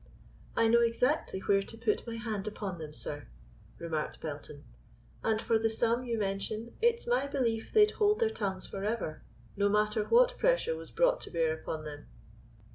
"I know exactly where to put my hand upon them, sir," remarked Belton, "and for the sum you mention it's my belief they'd hold their tongues forever, no matter what pressure was brought to bear upon them."